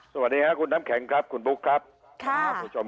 สวัสดีค่ะคุณน้ำแข็งครับคุณปุ๊กครับ